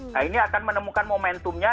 nah ini akan menemukan momentumnya